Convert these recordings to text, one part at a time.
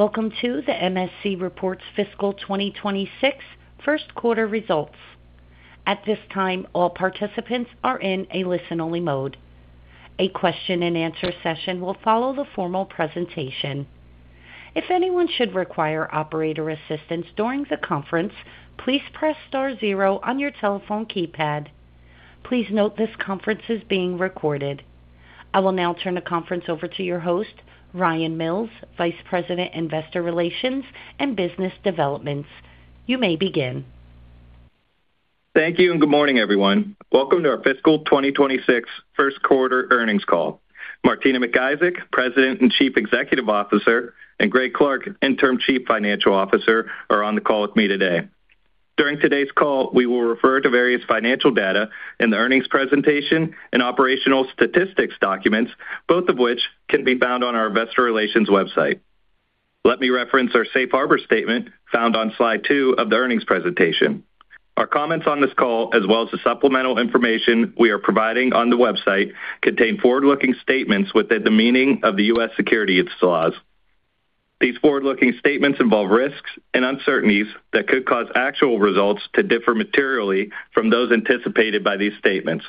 Welcome to the MSC reports fiscal 2026 first quarter results. At this time, all participants are in a listen-only mode. A question-and-answer session will follow the formal presentation. If anyone should require operator assistance during the conference, please press star zero on your telephone keypad. Please note this conference is being recorded. I will now turn the conference over to your host, Ryan Mills, Vice President, Investor Relations and Business Development. You may begin. Thank you and good morning, everyone. Welcome to our fiscal 2026 first quarter earnings call. Martina McIsaac, President and Chief Executive Officer, and Greg Clark, Interim Chief Financial Officer, are on the call with me today. During today's call, we will refer to various financial data in the earnings presentation and operational statistics documents, both of which can be found on our Investor Relations website. Let me reference our Safe Harbor Statement found on slide two of the earnings presentation. Our comments on this call, as well as the supplemental information we are providing on the website, contain forward-looking statements within the meaning of the U.S. securities laws. These forward-looking statements involve risks and uncertainties that could cause actual results to differ materially from those anticipated by these statements.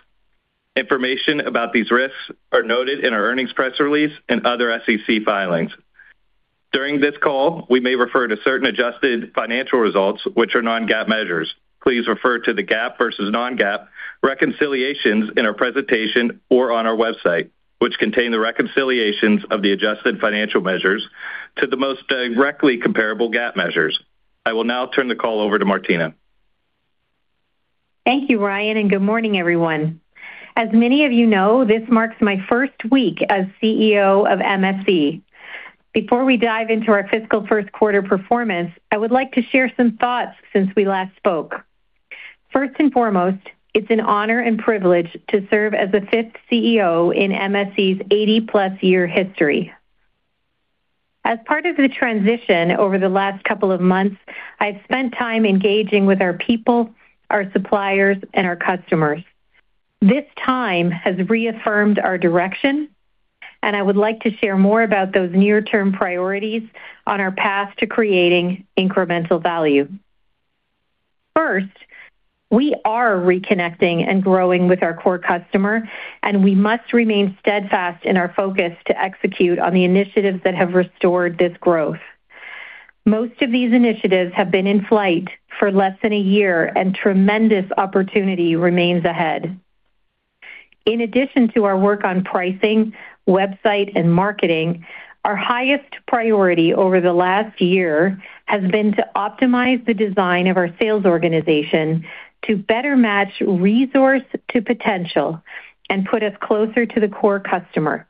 Information about these risks is noted in our earnings press release and other SEC filings. During this call, we may refer to certain adjusted financial results, which are non-GAAP measures. Please refer to the GAAP versus non-GAAP reconciliations in our presentation or on our website, which contain the reconciliations of the adjusted financial measures to the most directly comparable GAAP measures. I will now turn the call over to Martina. Thank you, Ryan, and good morning, everyone. As many of you know, this marks my first week as CEO of MSC. Before we dive into our fiscal first quarter performance, I would like to share some thoughts since we last spoke. First and foremost, it's an honor and privilege to serve as the fifth CEO in MSC's 80+ year history. As part of the transition over the last couple of months, I've spent time engaging with our people, our suppliers, and our customers. This time has reaffirmed our direction, and I would like to share more about those near-term priorities on our path to creating incremental value. First, we are reconnecting and growing with our core customer, and we must remain steadfast in our focus to execute on the initiatives that have restored this growth. Most of these initiatives have been in flight for less than a year, and tremendous opportunity remains ahead. In addition to our work on pricing, website, and marketing, our highest priority over the last year has been to optimize the design of our sales organization to better match resource to potential and put us closer to the core customer.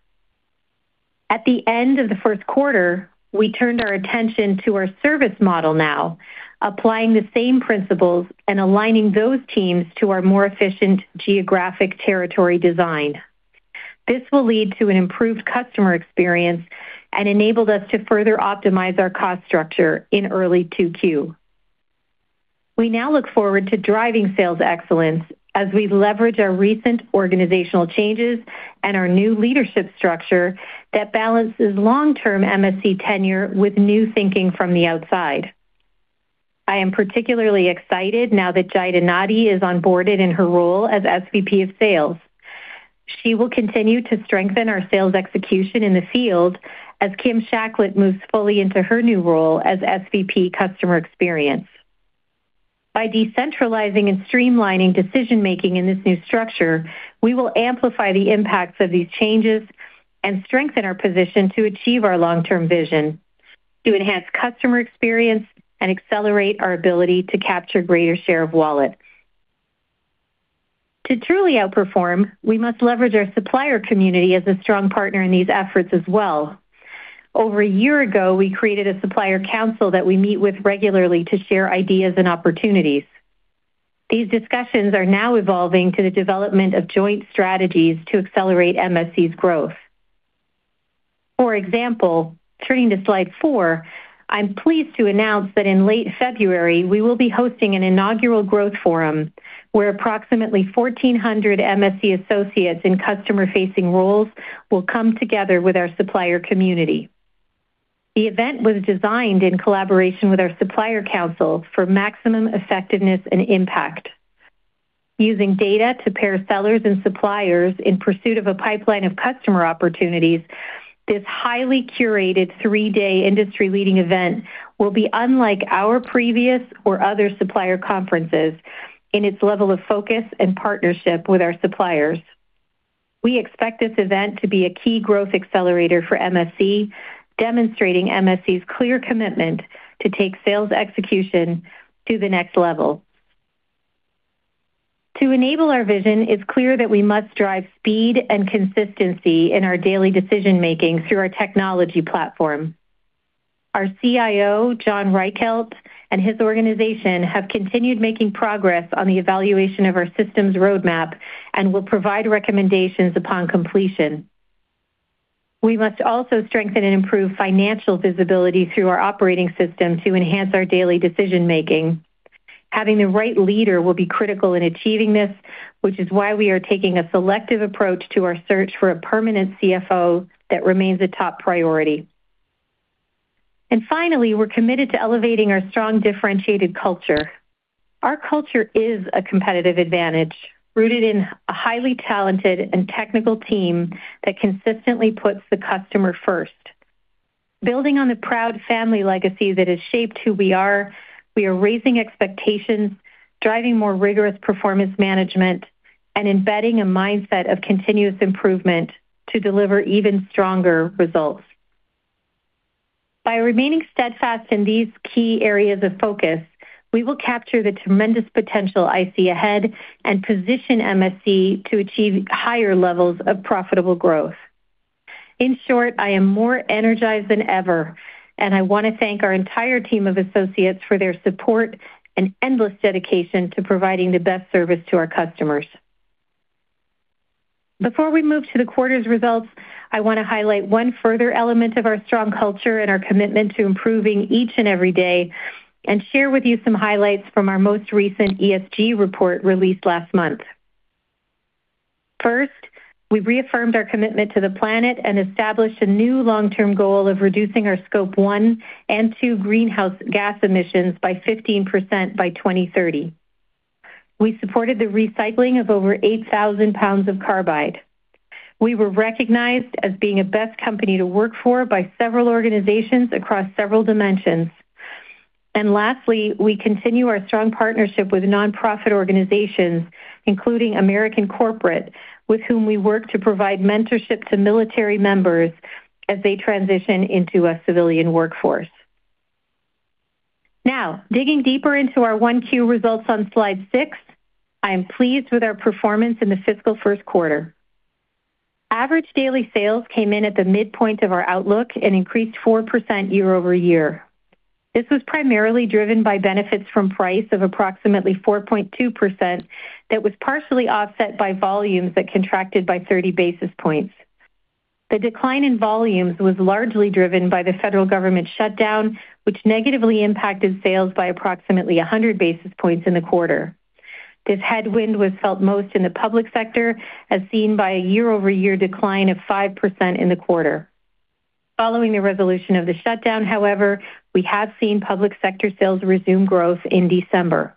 At the end of the first quarter, we turned our attention to our service model. Now, applying the same principles and aligning those teams to our more efficient geographic territory design. This will lead to an improved customer experience and enables us to further optimize our cost structure in early Q2. We now look forward to driving sales excellence as we leverage our recent organizational changes and our new leadership structure that balances long-term MSC tenure with new thinking from the outside. I am particularly excited now that Jahida Nadi is on board in her role as SVP of Sales. She will continue to strengthen our sales execution in the field as Kim Shacklett moves fully into her new role as SVP Customer Experience. By decentralizing and streamlining decision-making in this new structure, we will amplify the impacts of these changes and strengthen our position to achieve our long-term vision, to enhance customer experience, and accelerate our ability to capture a greater share of wallet. To truly outperform, we must leverage our supplier community as a strong partner in these efforts as well. Over a year ago, we created a Supplier Council that we meet with regularly to share ideas and opportunities. These discussions are now evolving to the development of joint strategies to accelerate MSC's growth. For example, turning to slide four, I'm pleased to announce that in late February, we will be hosting an inaugural growth forum where approximately 1,400 MSC associates in customer-facing roles will come together with our supplier community. The event was designed in collaboration with our Supplier Council for maximum effectiveness and impact. Using data to pair sellers and suppliers in pursuit of a pipeline of customer opportunities, this highly curated three-day industry-leading event will be unlike our previous or other supplier conferences in its level of focus and partnership with our suppliers. We expect this event to be a key growth accelerator for MSC, demonstrating MSC's clear commitment to take sales execution to the next level. To enable our vision, it's clear that we must drive speed and consistency in our daily decision-making through our technology platform. Our CIO, John Reichelt, and his organization have continued making progress on the evaluation of our systems roadmap and will provide recommendations upon completion. We must also strengthen and improve financial visibility through our operating system to enhance our daily decision-making. Having the right leader will be critical in achieving this, which is why we are taking a selective approach to our search for a permanent CFO that remains a top priority. And finally, we're committed to elevating our strong differentiated culture. Our culture is a competitive advantage rooted in a highly talented and technical team that consistently puts the customer first. Building on the proud family legacy that has shaped who we are, we are raising expectations, driving more rigorous performance management, and embedding a mindset of continuous improvement to deliver even stronger results. By remaining steadfast in these key areas of focus, we will capture the tremendous potential I see ahead and position MSC to achieve higher levels of profitable growth. In short, I am more energized than ever, and I want to thank our entire team of associates for their support and endless dedication to providing the best service to our customers. Before we move to the quarter's results, I want to highlight one further element of our strong culture and our commitment to improving each and every day and share with you some highlights from our most recent ESG report released last month. First, we reaffirmed our commitment to the planet and established a new long-term goal of reducing our Scope 1 and 2 greenhouse gas emissions by 15% by 2030. We supported the recycling of over 8,000 pounds of carbide. We were recognized as being a best company to work for by several organizations across several dimensions. Lastly, we continue our strong partnership with nonprofit organizations, including American Corporate, with whom we work to provide mentorship to military members as they transition into a civilian workforce. Now, digging deeper into our Q1 results on slide six, I am pleased with our performance in the fiscal first quarter. Average daily sales came in at the midpoint of our outlook and increased 4% year-over-year. This was primarily driven by benefits from price of approximately 4.2% that was partially offset by volumes that contracted by 30 basis points. The decline in volumes was largely driven by the federal government shutdown, which negatively impacted sales by approximately 100 basis points in the quarter. This headwind was felt most in the public sector, as seen by a year-over-year decline of 5% in the quarter. Following the resolution of the shutdown, however, we have seen public sector sales resume growth in December.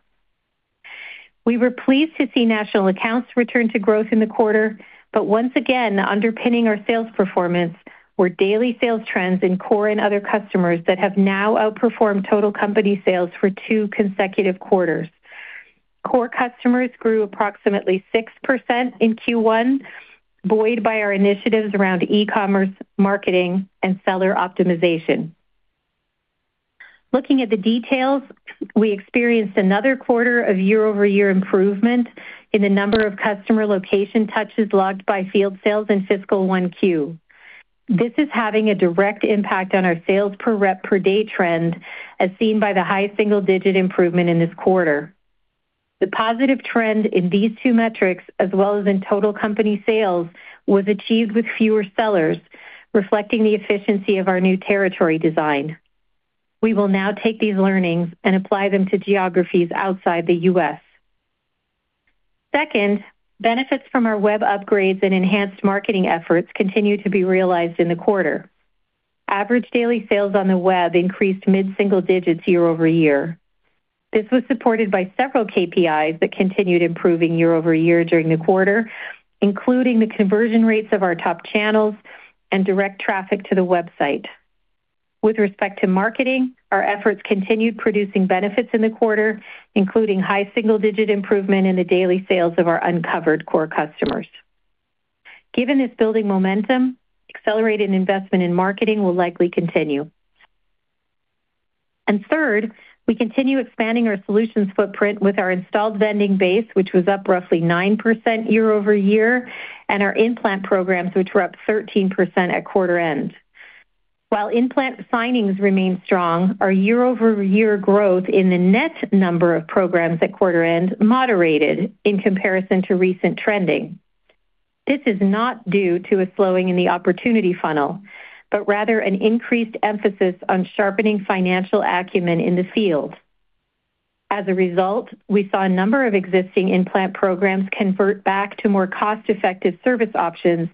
We were pleased to see national accounts return to growth in the quarter, but once again, underpinning our sales performance were daily sales trends in core and other customers that have now outperformed total company sales for two consecutive quarters. Core customers grew approximately 6% in Q1, buoyed by our initiatives around e-commerce, marketing, and seller optimization. Looking at the details, we experienced another quarter of year-over-year improvement in the number of customer location touches logged by field sales in fiscal 1Q. This is having a direct impact on our sales per rep per day trend, as seen by the high single-digit improvement in this quarter. The positive trend in these two metrics, as well as in total company sales, was achieved with fewer sellers, reflecting the efficiency of our new territory design. We will now take these learnings and apply them to geographies outside the U.S. Second, benefits from our web upgrades and enhanced marketing efforts continue to be realized in the quarter. Average daily sales on the web increased mid-single digits year-over-year. This was supported by several KPIs that continued improving year-over-year during the quarter, including the conversion rates of our top channels and direct traffic to the website. With respect to marketing, our efforts continued producing benefits in the quarter, including high single-digit improvement in the daily sales of our uncovered core customers. Given this building momentum, accelerated investment in marketing will likely continue. And third, we continue expanding our solutions footprint with our installed vending base, which was up roughly 9% year-over-year, and our In-Plant programs, which were up 13% at quarter end. While In-Plant signings remain strong, our year-over-year growth in the net number of programs at quarter end moderated in comparison to recent trending. This is not due to a slowing in the opportunity funnel, but rather an increased emphasis on sharpening financial acumen in the field. As a result, we saw a number of existing In-Plant programs convert back to more cost-effective service options,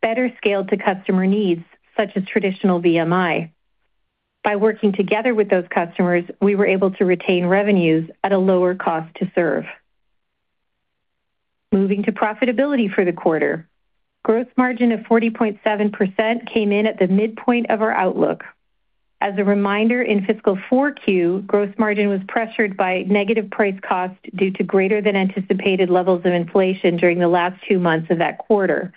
better scaled to customer needs, such as traditional VMI. By working together with those customers, we were able to retain revenues at a lower cost to serve. Moving to profitability for the quarter, gross margin of 40.7% came in at the midpoint of our outlook. As a reminder, in fiscal 4Q, gross margin was pressured by negative price cost due to greater than anticipated levels of inflation during the last two months of that quarter.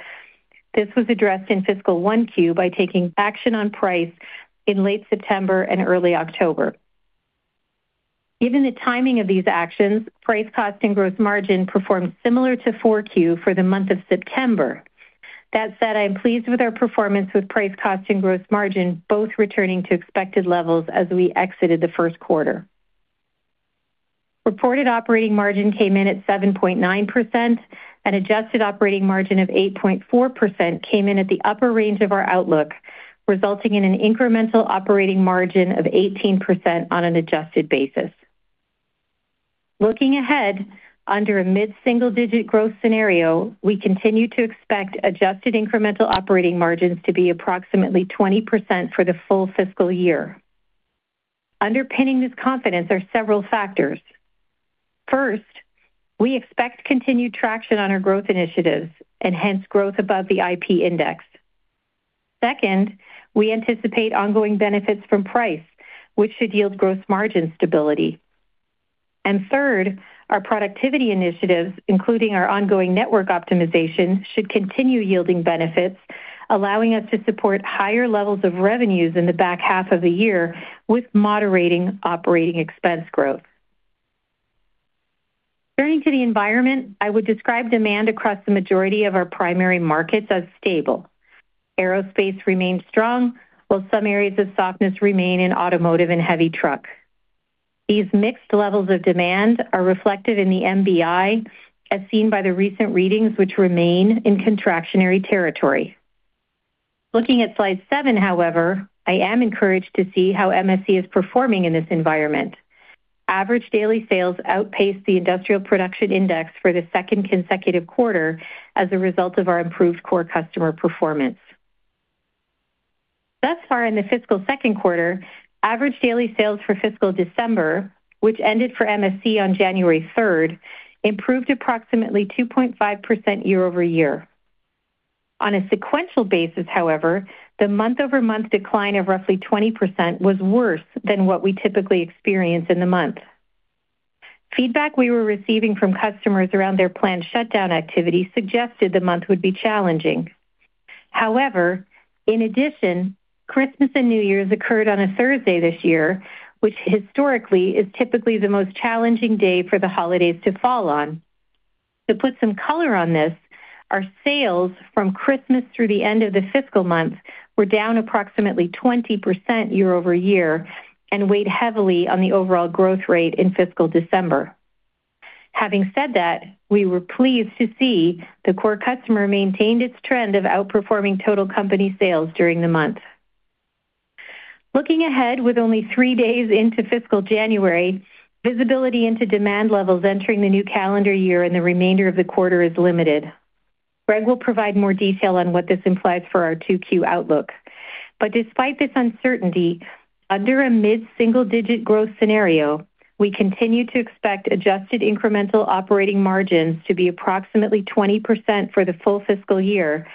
This was addressed in fiscal 1Q by taking action on price in late September and early October. Given the timing of these actions, price cost and gross margin performed similar to 4Q for the month of September. That said, I am pleased with our performance with price cost and gross margin both returning to expected levels as we exited the first quarter. Reported operating margin came in at 7.9%, and adjusted operating margin of 8.4% came in at the upper range of our outlook, resulting in an incremental operating margin of 18% on an adjusted basis. Looking ahead, under a mid-single-digit growth scenario, we continue to expect adjusted incremental operating margins to be approximately 20% for the full fiscal year. Underpinning this confidence are several factors. First, we expect continued traction on our growth initiatives and hence growth above the IP Index. Second, we anticipate ongoing benefits from price, which should yield gross margin stability. And third, our productivity initiatives, including our ongoing network optimization, should continue yielding benefits, allowing us to support higher levels of revenues in the back half of the year with moderating operating expense growth. Turning to the environment, I would describe demand across the majority of our primary markets as stable. Aerospace remained strong, while some areas of softness remain in automotive and heavy truck. These mixed levels of demand are reflective in the MBI, as seen by the recent readings, which remain in contractionary territory. Looking at slide seven, however, I am encouraged to see how MSC is performing in this environment. Average daily sales outpaced the Industrial Production Index for the second consecutive quarter as a result of our improved core customer performance. Thus far, in the fiscal second quarter, average daily sales for fiscal December, which ended for MSC on January 3rd, improved approximately 2.5% year-over-year. On a sequential basis, however, the month-over-month decline of roughly 20% was worse than what we typically experience in the month. Feedback we were receiving from customers around their planned shutdown activity suggested the month would be challenging. However, in addition, Christmas and New Year's occurred on a Thursday this year, which historically is typically the most challenging day for the holidays to fall on. To put some color on this, our sales from Christmas through the end of the fiscal month were down approximately 20% year-over-year and weighed heavily on the overall growth rate in fiscal December. Having said that, we were pleased to see the core customer maintained its trend of outperforming total company sales during the month. Looking ahead, with only three days into fiscal January, visibility into demand levels entering the new calendar year and the remainder of the quarter is limited. Greg will provide more detail on what this implies for our 2Q outlook. But despite this uncertainty, under a mid-single-digit growth scenario, we continue to expect adjusted incremental operating margins to be approximately 20% for the full fiscal year,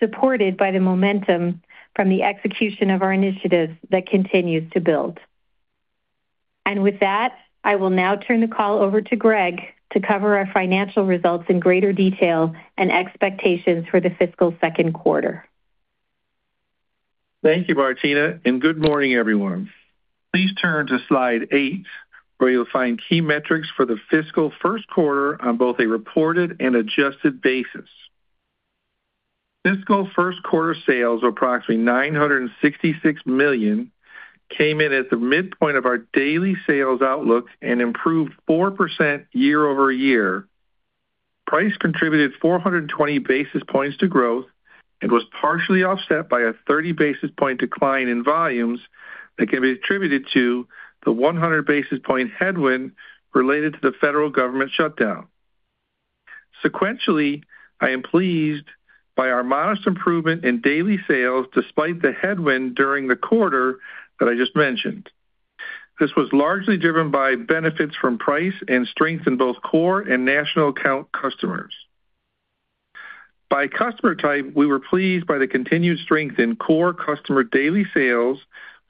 supported by the momentum from the execution of our initiatives that continues to build. With that, I will now turn the call over to Greg to cover our financial results in greater detail and expectations for the fiscal second quarter. Thank you, Martina, and good morning, everyone. Please turn to slide eight, where you'll find key metrics for the fiscal first quarter on both a reported and adjusted basis. Fiscal first quarter sales of approximately $966 million came in at the midpoint of our daily sales outlook and improved 4% year-over-year. Price contributed 420 basis points to growth and was partially offset by a 30 basis point decline in volumes that can be attributed to the 100 basis point headwind related to the federal government shutdown. Sequentially, I am pleased by our modest improvement in daily sales despite the headwind during the quarter that I just mentioned. This was largely driven by benefits from price and strength in both core and national account customers. By customer type, we were pleased by the continued strength in core customer daily sales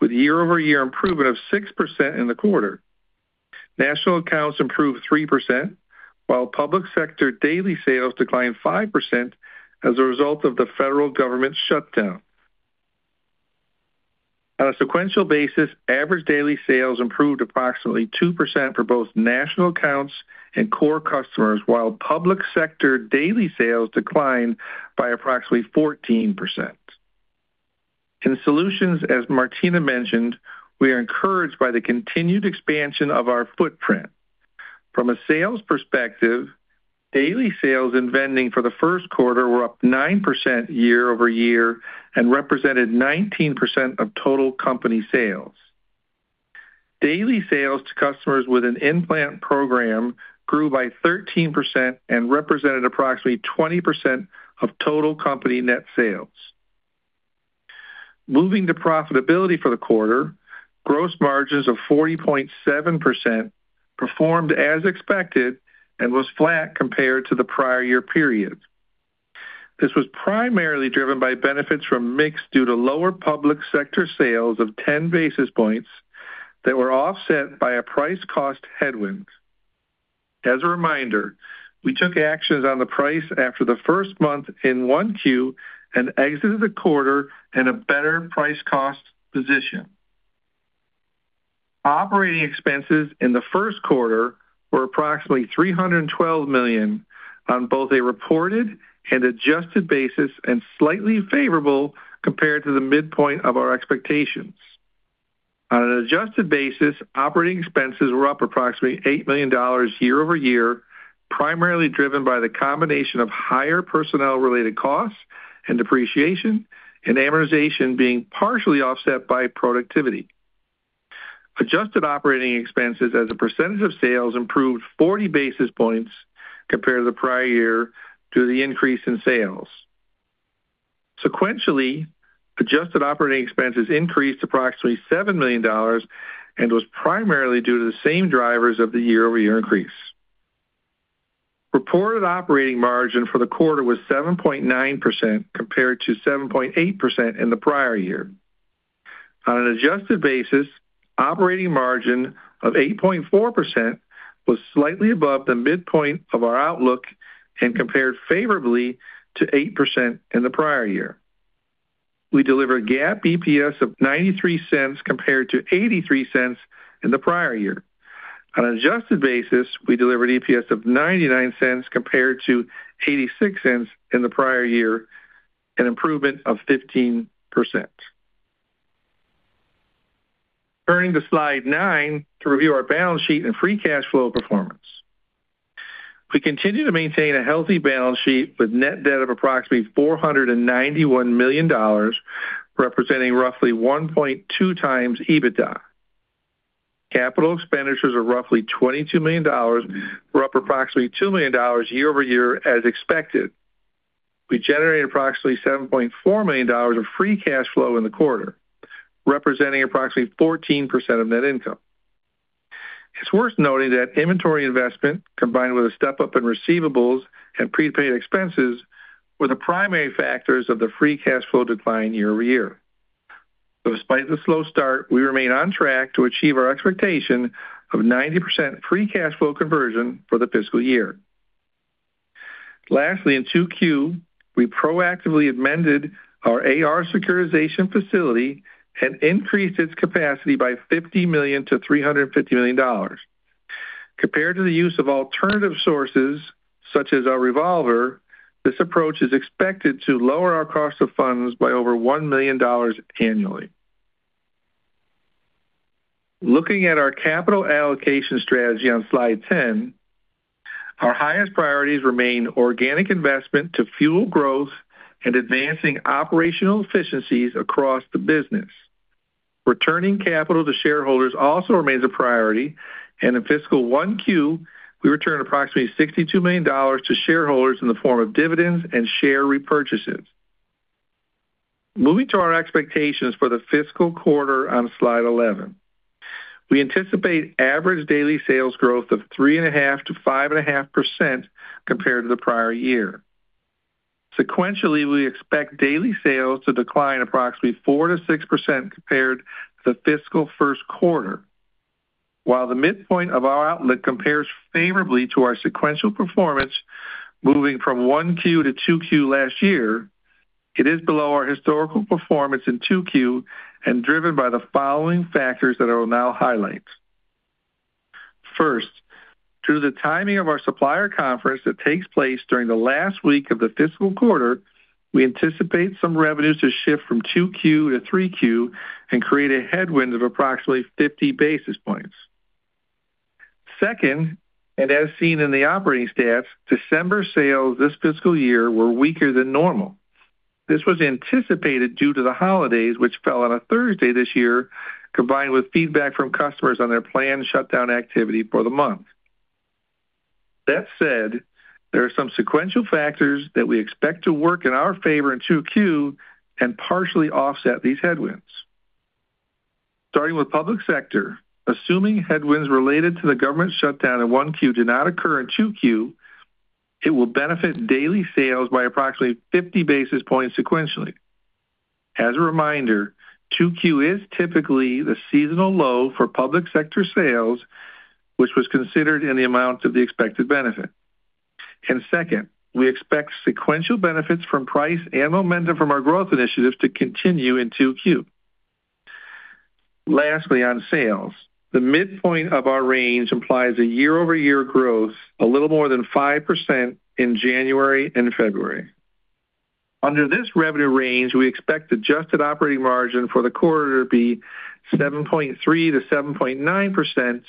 with year-over-year improvement of 6% in the quarter. National accounts improved 3%, while public sector daily sales declined 5% as a result of the federal government shutdown. On a sequential basis, average daily sales improved approximately 2% for both national accounts and core customers, while public sector daily sales declined by approximately 14%. In solutions, as Martina mentioned, we are encouraged by the continued expansion of our footprint. From a sales perspective, daily sales in vending for the first quarter were up 9% year-over-year and represented 19% of total company sales. Daily sales to customers with an In-Plant program grew by 13% and represented approximately 20% of total company net sales. Moving to profitability for the quarter, gross margins of 40.7% performed as expected and was flat compared to the prior year period. This was primarily driven by benefits from mixed due to lower public sector sales of 10 basis points that were offset by a price cost headwind. As a reminder, we took actions on the price after the first month in 1Q and exited the quarter in a better price cost position. Operating expenses in the first quarter were approximately $312 million on both a reported and adjusted basis and slightly favorable compared to the midpoint of our expectations. On an adjusted basis, operating expenses were up approximately $8 million year-over-year, primarily driven by the combination of higher personnel-related costs and depreciation and amortization being partially offset by productivity. Adjusted operating expenses as a percentage of sales improved 40 basis points compared to the prior year due to the increase in sales. Sequentially, adjusted operating expenses increased approximately $7 million and were primarily due to the same drivers of the year-over-year increase. Reported operating margin for the quarter was 7.9% compared to 7.8% in the prior year. On an adjusted basis, operating margin of 8.4% was slightly above the midpoint of our outlook and compared favorably to 8% in the prior year. We delivered GAAP EPS of $0.93 compared to $0.83 in the prior year. On an adjusted basis, we delivered EPS of $0.99 compared to $0.86 in the prior year and improvement of 15%. Turning to slide nine to review our balance sheet and free cash flow performance. We continue to maintain a healthy balance sheet with net debt of approximately $491 million, representing roughly 1.2x EBITDA. Capital expenditures are roughly $22 million, up approximately $2 million year-over-year as expected. We generated approximately $7.4 million of free cash flow in the quarter, representing approximately 14% of net income. It's worth noting that inventory investment, combined with a step up in receivables and prepaid expenses, were the primary factors of the free cash flow decline year-over-year. Despite the slow start, we remain on track to achieve our expectation of 90% free cash flow conversion for the fiscal year. Lastly, in 2Q, we proactively amended our AR securitization facility and increased its capacity by $50 million-$350 million. Compared to the use of alternative sources such as our revolver, this approach is expected to lower our cost of funds by over $1 million annually. Looking at our capital allocation strategy on slide 10, our highest priorities remain organic investment to fuel growth and advancing operational efficiencies across the business. Returning capital to shareholders also remains a priority, and in fiscal 1Q, we returned approximately $62 million to shareholders in the form of dividends and share repurchases. Moving to our expectations for the fiscal quarter on slide 11, we anticipate average daily sales growth of 3.5%-5.5% compared to the prior year. Sequentially, we expect daily sales to decline approximately 4%-6% compared to the fiscal first quarter. While the midpoint of our outlook compares favorably to our sequential performance, moving from 1Q to 2Q last year, it is below our historical performance in 2Q and driven by the following factors that I will now highlight. First, through the timing of our supplier conference that takes place during the last week of the fiscal quarter, we anticipate some revenues to shift from 2Q to 3Q and create a headwind of approximately 50 basis points. Second, and as seen in the operating stats, December sales this fiscal year were weaker than normal. This was anticipated due to the holidays, which fell on a Thursday this year, combined with feedback from customers on their planned shutdown activity for the month. That said, there are some sequential factors that we expect to work in our favor in 2Q and partially offset these headwinds. Starting with public sector, assuming headwinds related to the government shutdown in 1Q do not occur in 2Q, it will benefit daily sales by approximately 50 basis points sequentially. As a reminder, 2Q is typically the seasonal low for public sector sales, which was considered in the amount of the expected benefit. And second, we expect sequential benefits from price and momentum from our growth initiatives to continue in 2Q. Lastly, on sales, the midpoint of our range implies a year-over-year growth a little more than 5% in January and February. Under this revenue range, we expect adjusted operating margin for the quarter to be 7.3%-7.9%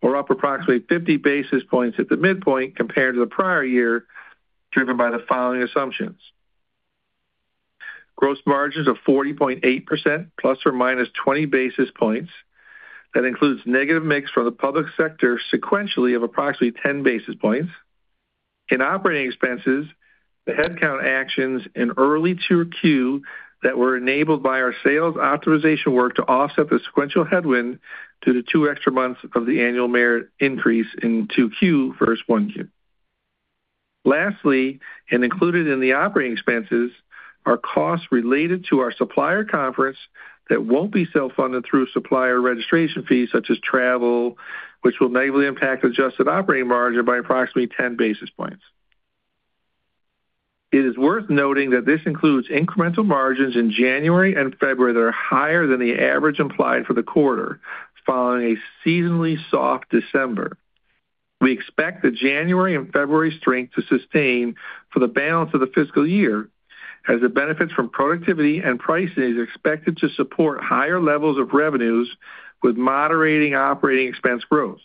or up approximately 50 basis points at the midpoint compared to the prior year, driven by the following assumptions: gross margins of 40.8% ± 20 basis points. That includes negative mix from the public sector sequentially of approximately 10 basis points. In operating expenses, the headcount actions in early 2Q that were enabled by our sales authorization work to offset the sequential headwind due to two extra months of the annual merit increase in 2Q versus 1Q. Lastly, and included in the operating expenses, are costs related to our supplier conference that won't be self-funded through supplier registration fees such as travel, which will negatively impact adjusted operating margin by approximately 10 basis points. It is worth noting that this includes incremental margins in January and February that are higher than the average implied for the quarter, following a seasonally soft December. We expect the January and February strength to sustain for the balance of the fiscal year, as the benefits from productivity and pricing is expected to support higher levels of revenues with moderating operating expense growth.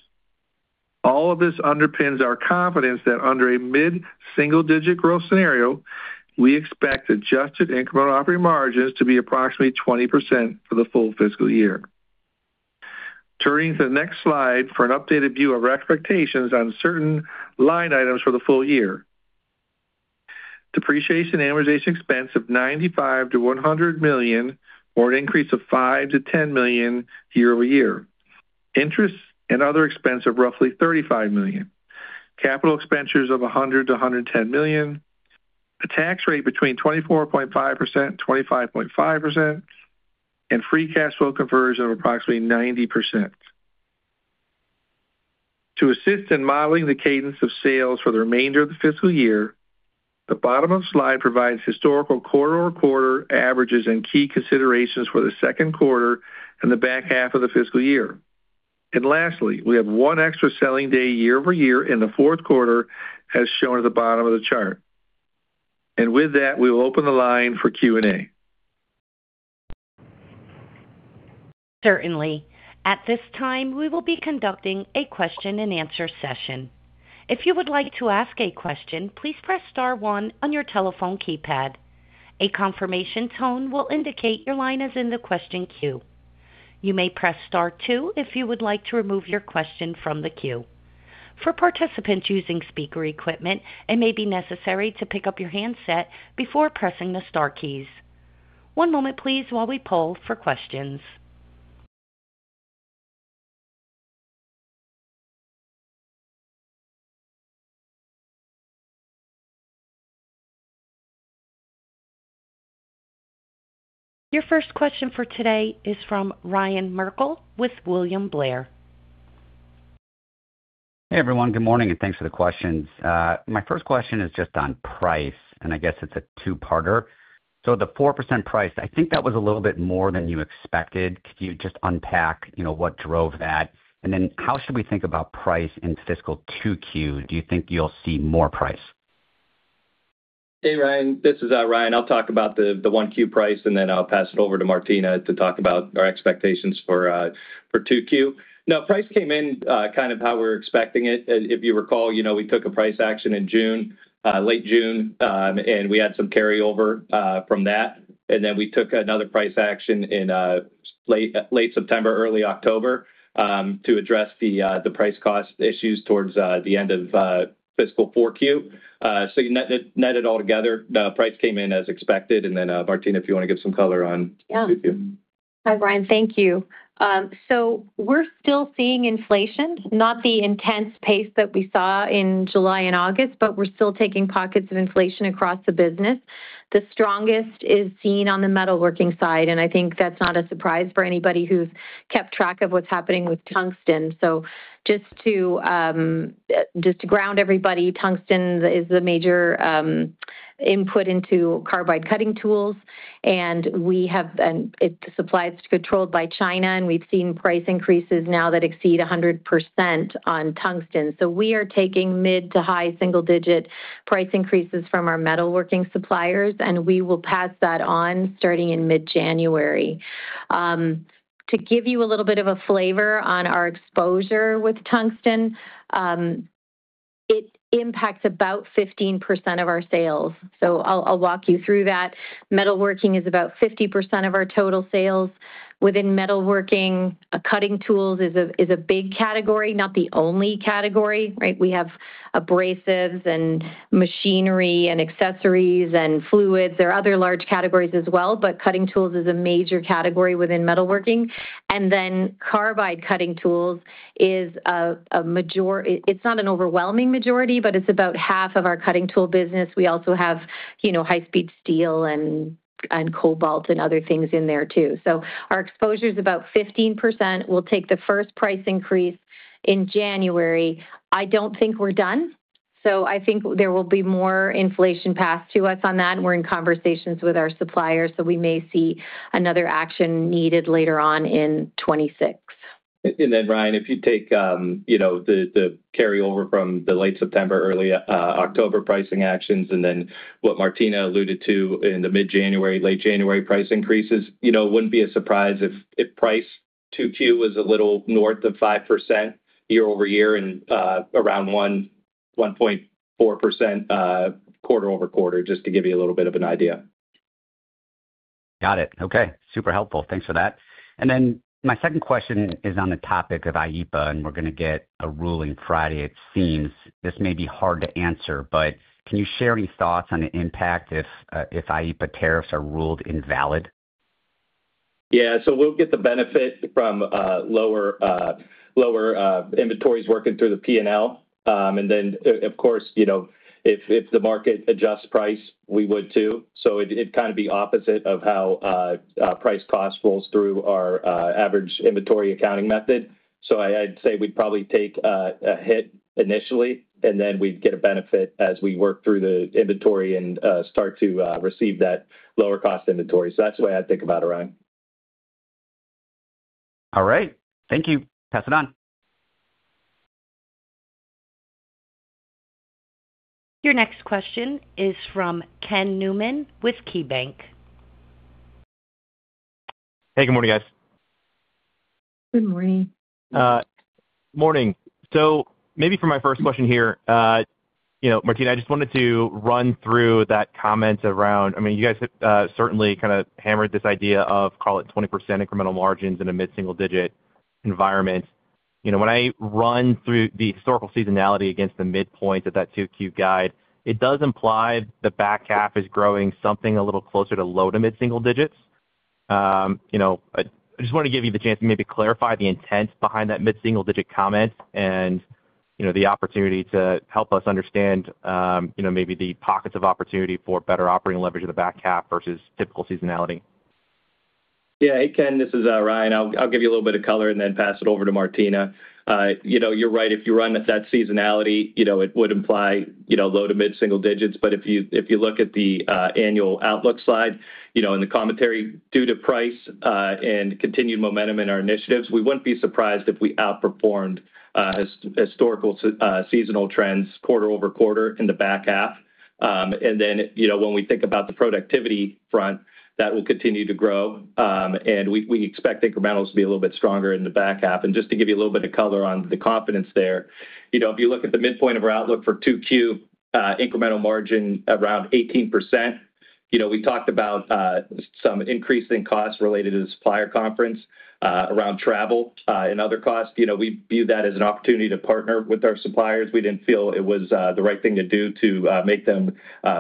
All of this underpins our confidence that under a mid-single-digit growth scenario, we expect adjusted incremental operating margins to be approximately 20% for the full fiscal year. Turning to the next slide for an updated view of our expectations on certain line items for the full year: depreciation and amortization expense of $95 million-$100 million, or an increase of $5 million-$10 million year-over-year. Interest and other expense of roughly $35 million. Capital expenditures of $100 million-$110 million. A tax rate between 24.5% and 25.5%, and free cash flow conversion of approximately 90%. To assist in modeling the cadence of sales for the remainder of the fiscal year, the bottom of the slide provides historical quarter-over-quarter averages and key considerations for the second quarter and the back half of the fiscal year. And lastly, we have one extra selling day year-over-year in the fourth quarter, as shown at the bottom of the chart. And with that, we will open the line for Q&A. Certainly. At this time, we will be conducting a question-and-answer session. If you would like to ask a question, please press star one on your telephone keypad. A confirmation tone will indicate your line is in the question queue. You may press star two if you would like to remove your question from the queue. For participants using speaker equipment, it may be necessary to pick up your handset before pressing the star keys. One moment, please, while we poll for questions. Your first question for today is from Ryan Merkel with William Blair. Hey, everyone. Good morning, and thanks for the questions. My first question is just on price, and I guess it's a two-parter. So the 4% price, I think that was a little bit more than you expected. Could you just unpack what drove that? And then how should we think about price in fiscal 2Q? Do you think you'll see more price? Hey, Ryan. This is Ryan. I'll talk about the 1Q price, and then I'll pass it over to Martina to talk about our expectations for 2Q. Now, price came in kind of how we're expecting it. If you recall, we took a price action in June, late June, and we had some carryover from that. Then we took another price action in late September, early October, to address the price-cost issues towards the end of fiscal 4Q. So you net it all together. Price came in as expected. Then, Martina, if you want to give some color on 2Q. Hi, Ryan. Thank you. So we're still seeing inflation, not the intense pace that we saw in July and August, but we're still taking pockets of inflation across the business. The strongest is seen on the metalworking side, and I think that's not a surprise for anybody who's kept track of what's happening with tungsten. So just to ground everybody, tungsten is the major input into carbide cutting tools, and its supply to be controlled by China, and we've seen price increases now that exceed 100% on tungsten. We are taking mid to high single-digit price increases from our metalworking suppliers, and we will pass that on starting in mid-January. To give you a little bit of a flavor on our exposure with tungsten, it impacts about 15% of our sales. I'll walk you through that. Metalworking is about 50% of our total sales. Within metalworking, cutting tools is a big category, not the only category. We have abrasives and machinery and accessories and fluids. There are other large categories as well, but cutting tools is a major category within metalworking. And then carbide cutting tools is a majority; it's not an overwhelming majority, but it's about half of our cutting tool business. We also have high-speed steel and cobalt and other things in there too. Our exposure is about 15%. We'll take the first price increase in January. I don't think we're done. So I think there will be more inflation passed to us on that. We're in conversations with our suppliers, so we may see another action needed later on in 2026. And then, Ryan, if you take the carryover from the late September, early October pricing actions, and then what Martina alluded to in the mid-January, late January price increases, it wouldn't be a surprise if price 2Q was a little north of 5% year-over-year and around 1.4% quarter-over-quarter, just to give you a little bit of an idea. Got it. Okay. Super helpful. Thanks for that. And then my second question is on the topic of IEEPA, and we're going to get a ruling Friday, it seems. This may be hard to answer, but can you share any thoughts on the impact if IEEPA tariffs are ruled invalid? Yeah. So we'll get the benefit from lower inventories working through the P&L. And then, of course, if the market adjusts price, we would too. So it'd kind of be opposite of how price cost rolls through our average inventory accounting method. So I'd say we'd probably take a hit initially, and then we'd get a benefit as we work through the inventory and start to receive that lower-cost inventory. So that's the way I'd think about it, Ryan. All right. Thank you. Pass it on. Your next question is from Ken Newman with KeyBanc. Hey, good morning, guys. Good morning. Morning. So maybe for my first question here, Martina, I just wanted to run through that comment around, I mean, you guys certainly kind of hammered this idea of, call it, 20% incremental margins in a mid-single-digit environment. When I run through the historical seasonality against the midpoint of that 2Q guide, it does imply the back half is growing something a little closer to low to mid-single digits. I just wanted to give you the chance to maybe clarify the intent behind that mid-single-digit comment and the opportunity to help us understand maybe the pockets of opportunity for better operating leverage of the back half versus typical seasonality. Yeah. Hey, Ken, this is Ryan. I'll give you a little bit of color and then pass it over to Martina. You're right. If you run with that seasonality, it would imply low to mid-single digits. But if you look at the annual outlook slide and the commentary due to price and continued momentum in our initiatives, we wouldn't be surprised if we outperformed historical seasonal trends quarter-over-quarter in the back half. And then when we think about the productivity front, that will continue to grow. We expect incrementals to be a little bit stronger in the back half. Just to give you a little bit of color on the confidence there, if you look at the midpoint of our outlook for 2Q, incremental margin around 18%. We talked about some increasing costs related to the supplier conference around travel and other costs. We view that as an opportunity to partner with our suppliers. We didn't feel it was the right thing to do to make them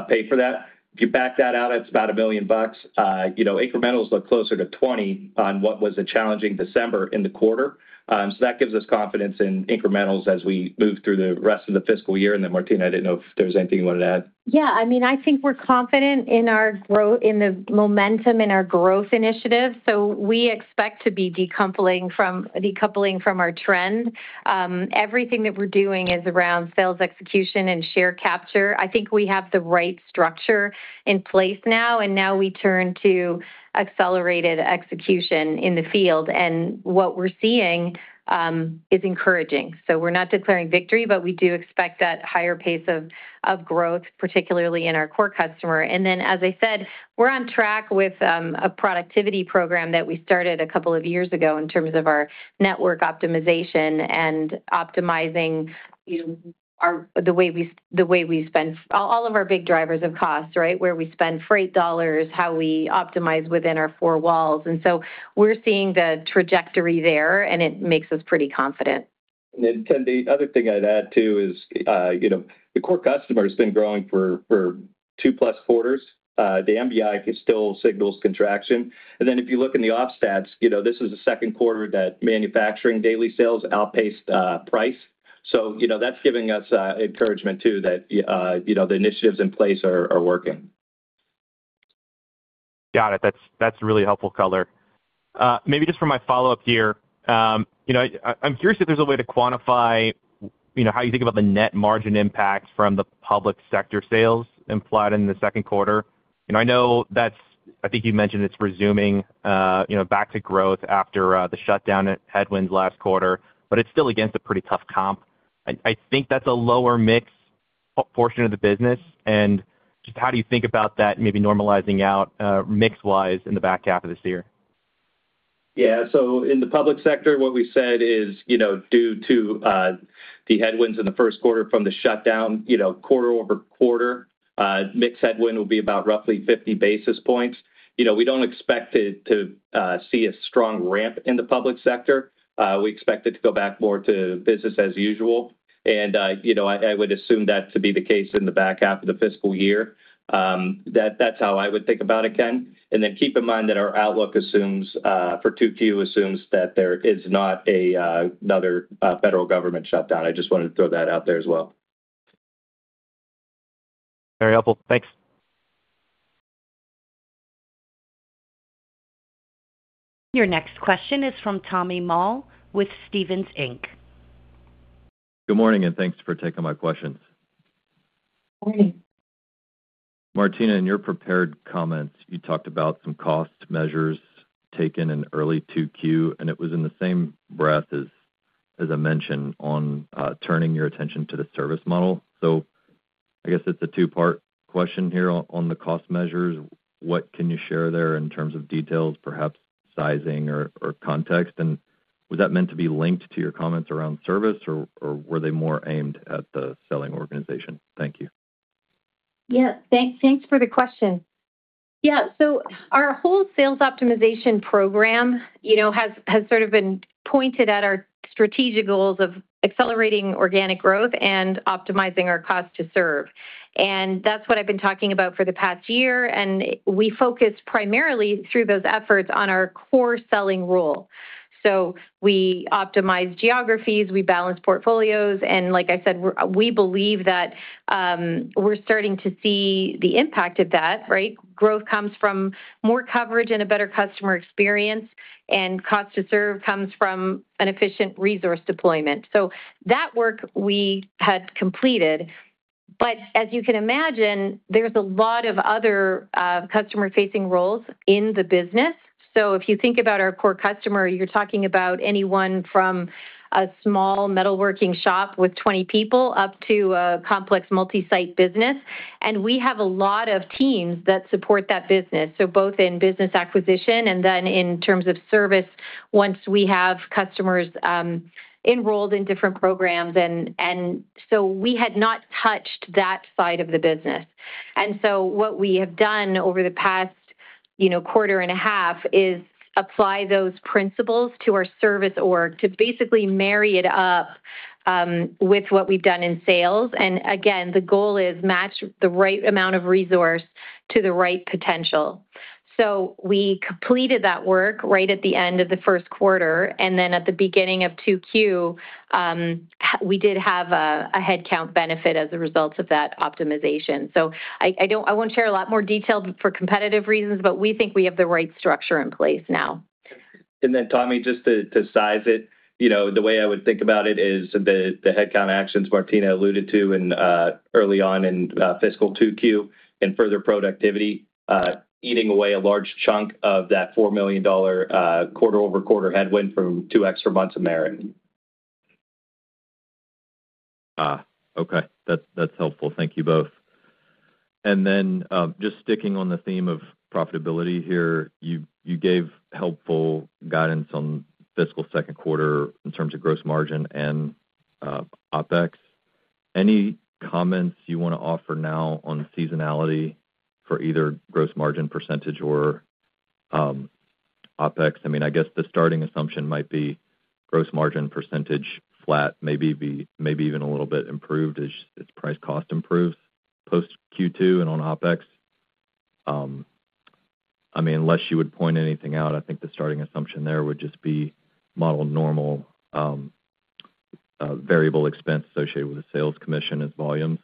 pay for that. If you back that out, it's about $1 million. Incrementals look closer to 20% on what was a challenging December in the quarter. That gives us confidence in incrementals as we move through the rest of the fiscal year. And then, Martina, I didn't know if there was anything you wanted to add. Yeah. I mean, I think we're confident in the momentum in our growth initiative. So we expect to be decoupling from our trend. Everything that we're doing is around sales execution and share capture. I think we have the right structure in place now, and now we turn to accelerated execution in the field. And what we're seeing is encouraging. So we're not declaring victory, but we do expect that higher pace of growth, particularly in our core customer. And then, as I said, we're on track with a productivity program that we started a couple of years ago in terms of our network optimization and optimizing the way we spend all of our big drivers of cost, right, where we spend freight dollars, how we optimize within our four walls. And so we're seeing the trajectory there, and it makes us pretty confident. And then the other thing I'd add too is the core customer has been growing for 2+ quarters. The MBI still signals contraction. And then if you look in the offstats, this is the second quarter that manufacturing daily sales outpaced price. So that's giving us encouragement too that the initiatives in place are working. Got it. That's really helpful color. Maybe just for my follow-up here, I'm curious if there's a way to quantify how you think about the net margin impact from the public sector sales implied in the second quarter. I know that's, I think you mentioned it's resuming back to growth after the shutdown and headwinds last quarter, but it's still against a pretty tough comp. I think that's a lower mix portion of the business. And just how do you think about that maybe normalizing out mix-wise in the back half of this year? Yeah. So in the public sector, what we said is due to the headwinds in the first quarter from the shutdown, quarter-over-quarter, mixed headwind will be about roughly 50 basis points. We don't expect to see a strong ramp in the public sector. We expect it to go back more to business as usual. And I would assume that to be the case in the back half of the fiscal year. That's how I would think about it, Ken. And then keep in mind that our outlook assumes for 2Q that there is not another federal government shutdown. I just wanted to throw that out there as well. Very helpful. Thanks. Your next question is from Tommy Moll with Stephens Inc. Good morning, and thanks for taking my questions. Good morning. Martina, in your prepared comments, you talked about some cost measures taken in early 2Q, and it was in the same breath as a mention on turning your attention to the service model. So I guess it's a two-part question here on the cost measures. What can you share there in terms of details, perhaps sizing or context? And was that meant to be linked to your comments around service, or were they more aimed at the selling organization? Thank you. Yeah. Thanks for the question. Yeah. So our whole sales optimization program has sort of been pointed at our strategic goals of accelerating organic growth and optimizing our cost to serve. And that's what I've been talking about for the past year. And we focused primarily through those efforts on our core selling role. So we optimize geographies, we balance portfolios. And like I said, we believe that we're starting to see the impact of that, right? Growth comes from more coverage and a better customer experience, and cost to serve comes from an efficient resource deployment. So that work we had completed. But as you can imagine, there's a lot of other customer-facing roles in the business. So if you think about our core customer, you're talking about anyone from a small metalworking shop with 20 people up to a complex multi-site business. And we have a lot of teams that support that business, so both in business acquisition and then in terms of service once we have customers enrolled in different programs. And so we had not touched that side of the business. And so what we have done over the past quarter and a half is apply those principles to our service org to basically marry it up with what we've done in sales. And again, the goal is match the right amount of resource to the right potential. So we completed that work right at the end of the first quarter. And then at the beginning of 2Q, we did have a headcount benefit as a result of that optimization. So I won't share a lot more detail for competitive reasons, but we think we have the right structure in place now. And then, Tommy, just to size it, the way I would think about it is the headcount actions Martina alluded to early on in fiscal 2Q and further productivity eating away a large chunk of that $4 million quarter-over-quarter headwind from two extra months of merit. Okay. That's helpful. Thank you both. And then just sticking on the theme of profitability here, you gave helpful guidance on fiscal second quarter in terms of gross margin and OpEx. Any comments you want to offer now on seasonality for either gross margin percentage or OpEx? I mean, I guess the starting assumption might be gross margin percentage flat, maybe even a little bit improved as price cost improves post Q2 and on OpEx. I mean, unless you would point anything out, I think the starting assumption there would just be model normal variable expense associated with the sales commission as volumes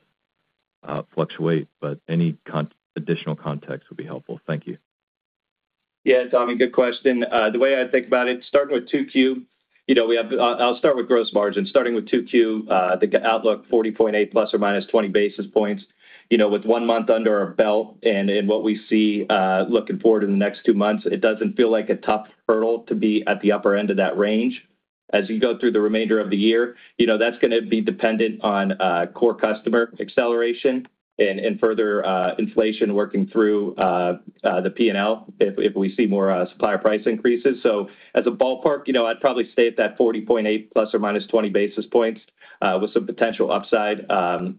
fluctuate. But any additional context would be helpful. Thank you. Yeah. Tommy, good question. The way I think about it, starting with 2Q, I'll start with gross margin. Starting with 2Q, I think outlook 40.8 ± 20 basis points with one month under our belt. And in what we see looking forward in the next two months, it doesn't feel like a tough hurdle to be at the upper end of that range. As you go through the remainder of the year, that's going to be dependent on core customer acceleration and further inflation working through the P&L if we see more supplier price increases. So as a ballpark, I'd probably stay at that 40.8 ± 20 basis points with some potential upside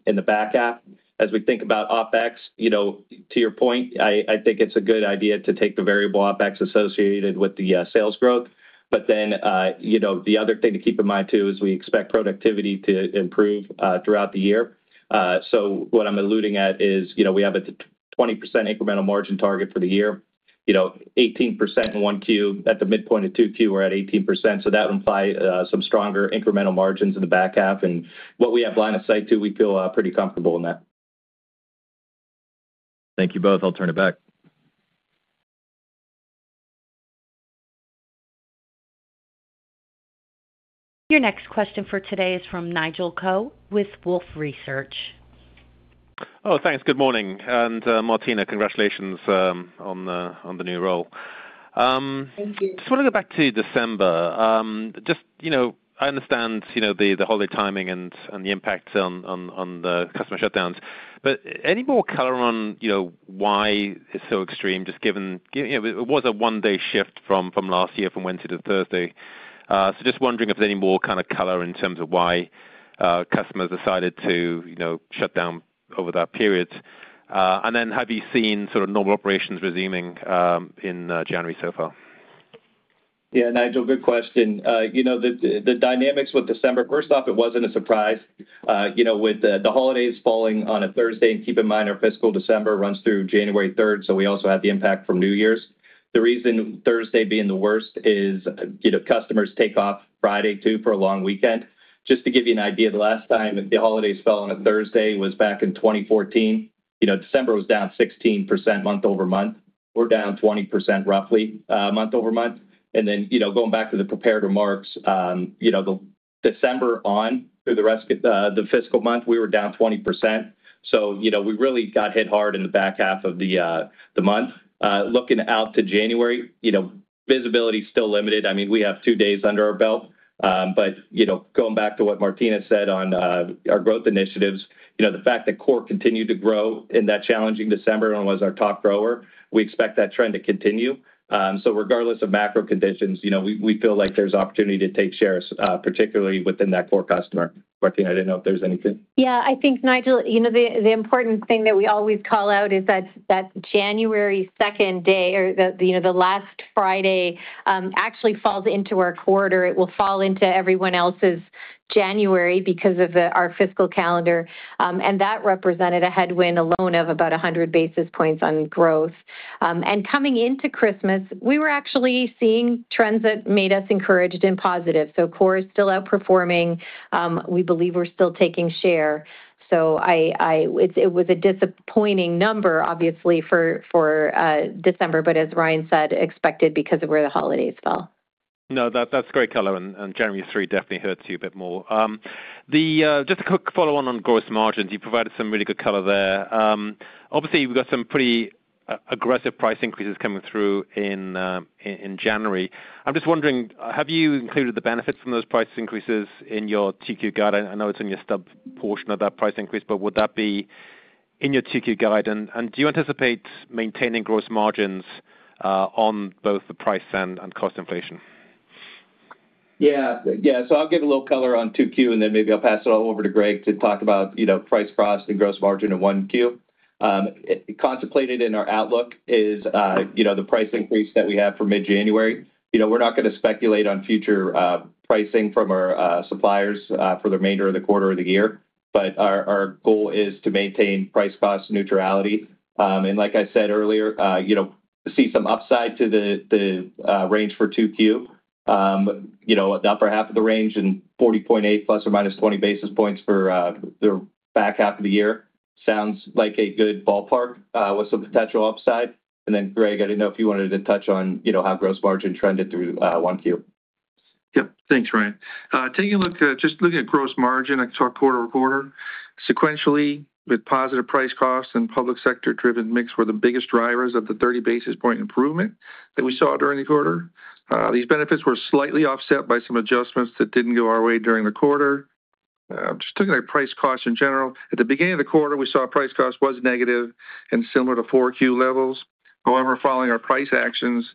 in the back half. As we think about OpEx, to your point, I think it's a good idea to take the variable OpEx associated with the sales growth. But then the other thing to keep in mind too is we expect productivity to improve throughout the year. So what I'm alluding at is we have a 20% incremental margin target for the year, 18% in 1Q. At the midpoint of 2Q, we're at 18%. So that would imply some stronger incremental margins in the back half. And what we have line of sight to, we feel pretty comfortable in that. Thank you both. I'll turn it back. Your next question for today is from Nigel Coe with Wolfe Research. Oh, thanks. Good morning. And Martina, congratulations on the new role. Thank you. Just want to go back to December. Just, I understand the holiday timing and the impact on the customer shutdowns. But any more color on why it's so extreme? Just given it was a one-day shift from last year from Wednesday to Thursday. So just wondering if there's any more kind of color in terms of why customers decided to shut down over that period. And then have you seen sort of normal operations resuming in January so far? Yeah. Nigel, good question. The dynamics with December, first off, it wasn't a surprise with the holidays falling on a Thursday. And keep in mind our fiscal December runs through January 3rd. So we also have the impact from New Year's. The reason Thursday being the worst is customers take off Friday too for a long weekend. Just to give you an idea, the last time the holidays fell on a Thursday was back in 2014. December was down 16% month-over-month. We're down 20% roughly month-over-month and then going back to the prepared remarks, December on through the rest of the fiscal month, we were down 20%. So we really got hit hard in the back half of the month. Looking out to January, visibility is still limited. I mean, we have two days under our belt, but going back to what Martina said on our growth initiatives, the fact that core continued to grow in that challenging December and was our top grower, we expect that trend to continue, so regardless of macro conditions, we feel like there's opportunity to take shares, particularly within that core customer. Martina, I didn't know if there's anything. Yeah. I think, Nigel, the important thing that we always call out is that January 2nd day or the last Friday actually falls into our quarter. It will fall into everyone else's January because of our fiscal calendar. And that represented a headwind alone of about 100 basis points on growth. And coming into Christmas, we were actually seeing trends that made us encouraged and positive. So core is still outperforming. We believe we're still taking share. So it was a disappointing number, obviously, for December, but as Ryan said, expected because of where the holidays fell. No, that's great color. And January 3 definitely hurts you a bit more. Just a quick follow-on on gross margins. You provided some really good color there. Obviously, we've got some pretty aggressive price increases coming through in January. I'm just wondering, have you included the benefits from those price increases in your 2Q guide? I know it's in your stub portion of that price increase, but would that be in your 2Q guide? And do you anticipate maintaining gross margins on both the price and cost inflation? Yeah. Yeah. So I'll give a little color on 2Q, and then maybe I'll pass it all over to Greg to talk about price cost and gross margin of 1Q. Contemplated in our outlook is the price increase that we have for mid-January. We're not going to speculate on future pricing from our suppliers for the remainder of the quarter of the year. But our goal is to maintain price cost neutrality. And like I said earlier, see some upside to the range for 2Q. The upper half of the range and 40.8 ± 20 basis points for the back half of the year sounds like a good ballpark with some potential upside. Then Greg, I didn't know if you wanted to touch on how gross margin trended through 1Q. Yep. Thanks, Ryan. Taking a look, just looking at gross margin across quarter-over-quarter sequentially, with positive price costs and public sector-driven mix were the biggest drivers of the 30 basis point improvement that we saw during the quarter. These benefits were slightly offset by some adjustments that didn't go our way during the quarter. Just looking at price costs in general, at the beginning of the quarter, we saw price costs was negative and similar to 4Q levels. However, following our price actions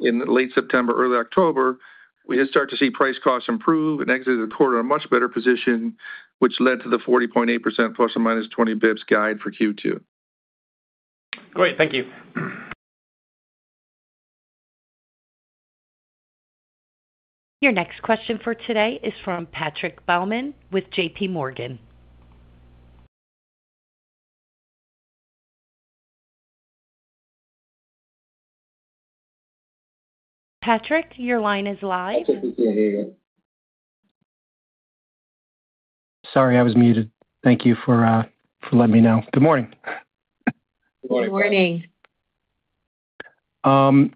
in late September, early October, we did start to see price costs improve and exited the quarter in a much better position, which led to the 40.8% ± 20 basis points guide for Q2. Great. Thank you. Your next question for today is from Patrick Baumann with JPMorgan. Patrick, your line is live. Patrick, we can't hear you. Sorry, I was muted. Thank you for letting me know. Good morning. Good morning. Good morning.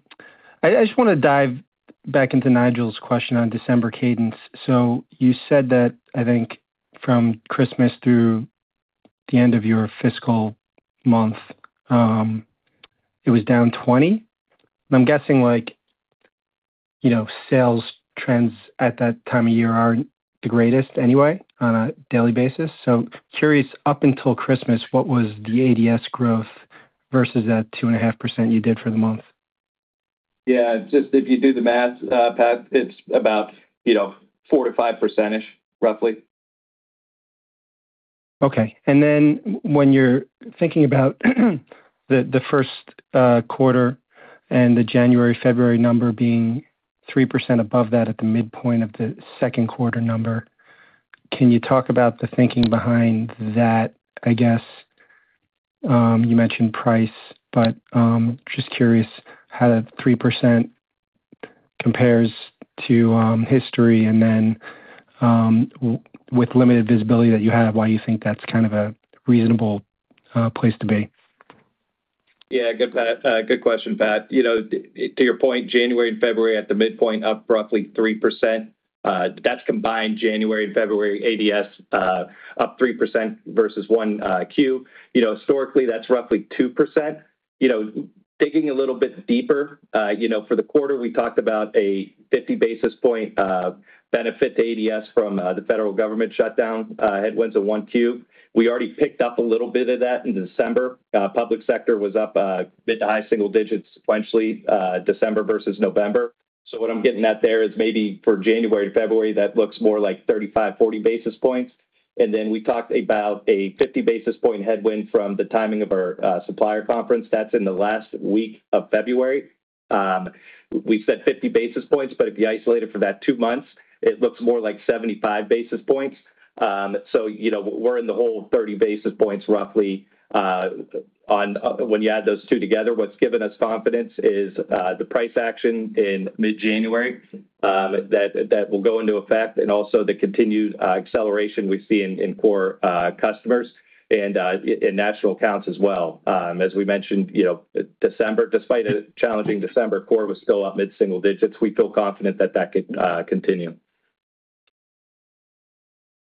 I just want to dive back into Nigel's question on December cadence. So you said that I think from Christmas through the end of your fiscal month, it was down 20. I'm guessing sales trends at that time of year aren't the greatest anyway on a daily basis. So curious, up until Christmas, what was the ADS growth versus that 2.5% you did for the month? Yeah. Just if you do the math, Pat, it's about 4%-5%ish, roughly. Okay. And then when you're thinking about the first quarter and the January-February number being 3% above that at the midpoint of the second quarter number, can you talk about the thinking behind that? I guess you mentioned price, but just curious how the 3% compares to history and then with limited visibility that you have, why you think that's kind of a reasonable place to be. Yeah. Good question, Pat. To your point, January and February at the midpoint up roughly 3%. That's combined January and February ADS up 3% versus 1Q. Historically, that's roughly 2%. Digging a little bit deeper, for the quarter, we talked about a 50 basis point benefit to ADS from the federal government shutdown headwinds of 1Q. We already picked up a little bit of that in December. Public sector was up mid- to high-single digits sequentially, December versus November. So what I'm getting at there is maybe for January and February, that looks more like 35 basis points-40 basis points. And then we talked about a 50 basis point headwind from the timing of our supplier conference. That's in the last week of February. We said 50 basis points, but if you isolate it for that two months, it looks more like 75 basis points. So we're in the hole 30 basis points roughly when you add those two together. What's given us confidence is the price action in mid-January that will go into effect and also the continued acceleration we see in core customers and national accounts as well. As we mentioned, December, despite a challenging December, core was still up mid-single digits. We feel confident that that could continue.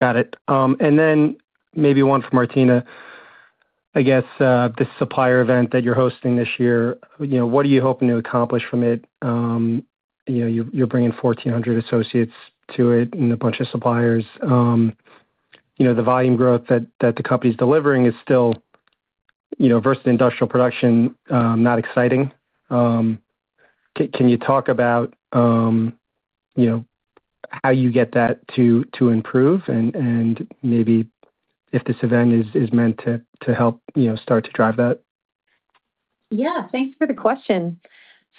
Got it. And then maybe one for Martina. I guess the supplier event that you're hosting this year, what are you hoping to accomplish from it? You're bringing 1,400 associates to it and a bunch of suppliers. The volume growth that the company's delivering is still, versus the industrial production, not exciting. Can you talk about how you get that to improve and maybe if this event is meant to help start to drive that? Yeah. Thanks for the question.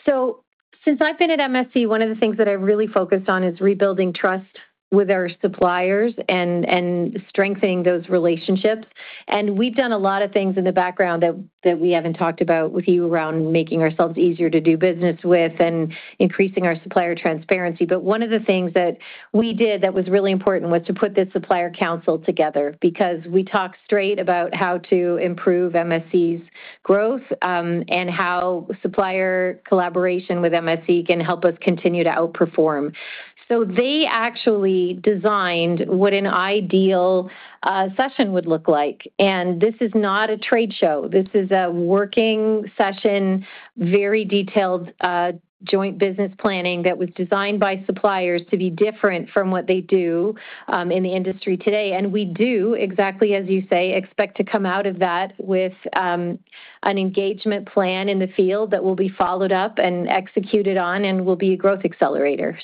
So since I've been at MSC, one of the things that I've really focused on is rebuilding trust with our suppliers and strengthening those relationships. And we've done a lot of things in the background that we haven't talked about with you around making ourselves easier to do business with and increasing our supplier transparency. One of the things that we did that was really important was to put this Supplier Council together because we talked straight about how to improve MSC's growth and how supplier collaboration with MSC can help us continue to outperform. They actually designed what an ideal session would look like. This is not a trade show. This is a working session, very detailed joint business planning that was designed by suppliers to be different from what they do in the industry today. We do, exactly as you say, expect to come out of that with an engagement plan in the field that will be followed up and executed on and will be a growth accelerator.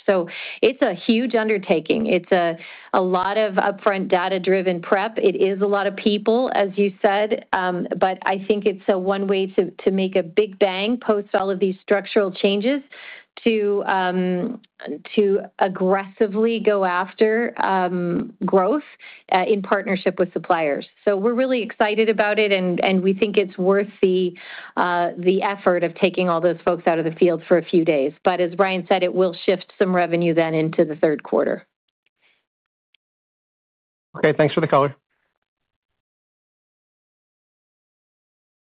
It's a huge undertaking. It's a lot of upfront data-driven prep. It is a lot of people, as you said. But I think it's one way to make a big bang post all of these structural changes to aggressively go after growth in partnership with suppliers. So we're really excited about it, and we think it's worth the effort of taking all those folks out of the field for a few days. But as Ryan said, it will shift some revenue then into the third quarter. Okay. Thanks for the color.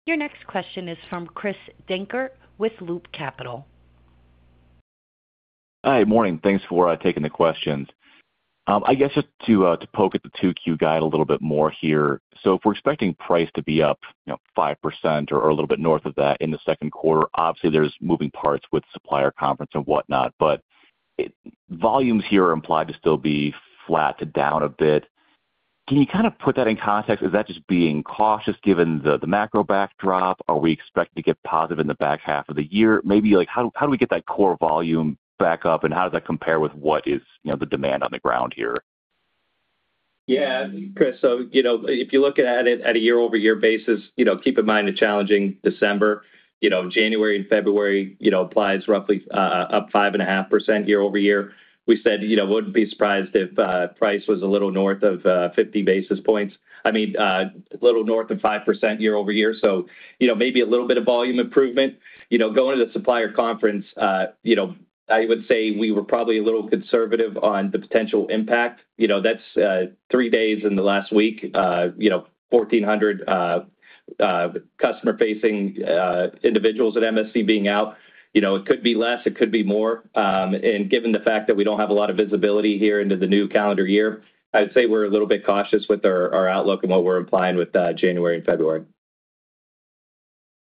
Your next question is from Chris Dankert with Loop Capital. Hi. Morning. Thanks for taking the questions. I guess just to poke at the 2Q guide a little bit more here. So if we're expecting price to be up 5% or a little bit north of that in the second quarter, obviously there's moving parts with supplier conference and whatnot. But volumes here are implied to still be flat to down a bit. Can you kind of put that in context? Is that just being cautious given the macro backdrop? Are we expecting to get positive in the back half of the year? Maybe how do we get that core volume back up, and how does that compare with what is the demand on the ground here? Yeah. Chris, so if you look at it at a year-over-year basis, keep in mind the challenging December. January and February applied roughly up 5.5% year-over-year. We said we wouldn't be surprised if price was a little north of 50 basis points. I mean, a little north of 5% year-over-year. So maybe a little bit of volume improvement. Going to the supplier conference, I would say we were probably a little conservative on the potential impact. That's three days in the last week, 1,400 customer-facing individuals at MSC being out. It could be less. It could be more. And given the fact that we don't have a lot of visibility here into the new calendar year, I would say we're a little bit cautious with our outlook and what we're implying with January and February.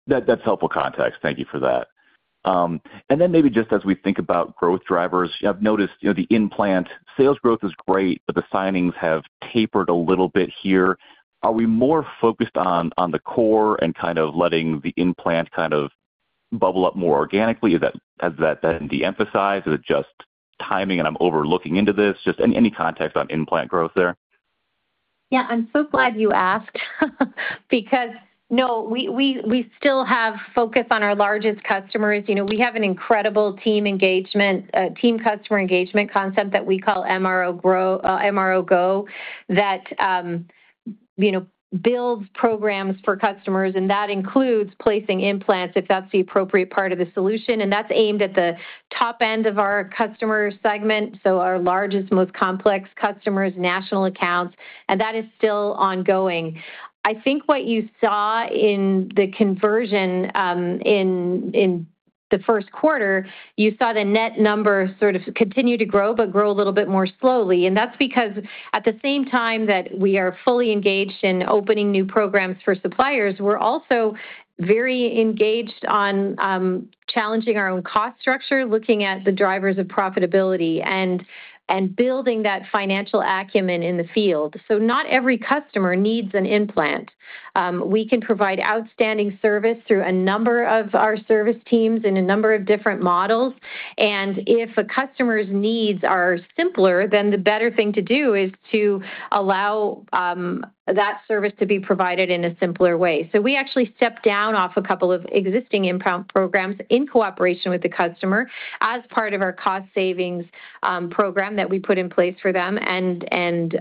That's helpful context. Thank you for that. And then maybe just as we think about growth drivers, I've noticed the In-Plant sales growth is great, but the signings have tapered a little bit here. Are we more focused on the core and kind of letting the In-Plant kind of bubble up more organically? Has that been de-emphasized? Is it just timing and I'm overlooking into this? Just any context on In-Plant growth there? Yeah. I'm so glad you asked because, no, we still have focus on our largest customers. We have an incredible team customer engagement concept that we call MRO Go that builds programs for customers. And that includes placing In-Plants if that's the appropriate part of the solution. And that's aimed at the top end of our customer segment, so our largest, most complex customers, national accounts. And that is still ongoing. I think what you saw in the conversion in the first quarter, you saw the net number sort of continue to grow, but grow a little bit more slowly. And that's because at the same time that we are fully engaged in opening new programs for suppliers, we're also very engaged on challenging our own cost structure, looking at the drivers of profitability, and building that financial acumen in the field. So not every customer needs an In-Plant. We can provide outstanding service through a number of our service teams in a number of different models. And if a customer's needs are simpler, then the better thing to do is to allow that service to be provided in a simpler way. So we actually stepped down off a couple of existing In-Plant programs in cooperation with the customer as part of our cost savings program that we put in place for them and